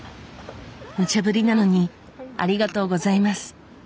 無茶ぶりなのにありがとうございます。